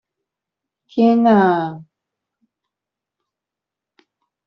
天啊！